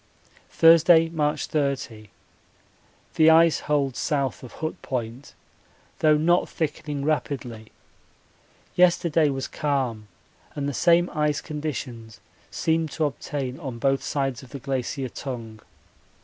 Thursday, March 30. The ice holds south of Hut Point, though not thickening rapidly yesterday was calm and the same ice conditions seemed to obtain on both sides of the Glacier Tongue.